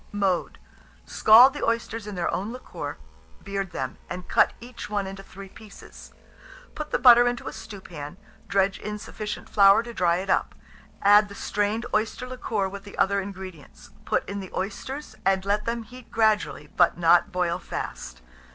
Mode. Scald the oysters in their own liquor, beard them, and cut each one into 3 pieces. Put the butter into a stewpan, dredge in sufficient flour to dry it up; add the strained oyster liquor with the other ingredients; put in the oysters, and let them heat gradually, but not boil fast.